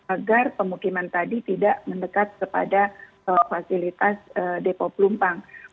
agar pemukiman tadi tidak mendekat kepada fasilitas depo pelumpang